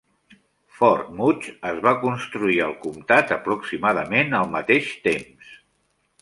Fort Mudge es va construir al comtat aproximadament al mateix temps.